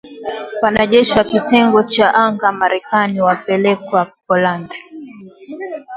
Wanajeshi wa kitengo cha anga Marekani wamepelekwa Poland.